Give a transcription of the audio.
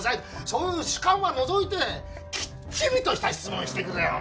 そういう主観は除いてきっちりとした質問をしてくれよ。